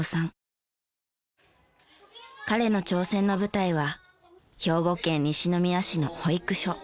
彼の挑戦の舞台は兵庫県西宮市の保育所。